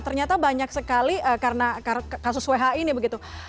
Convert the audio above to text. ternyata banyak sekali karena kasus who ini begitu